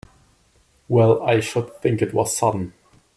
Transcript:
Well I should think it was sudden!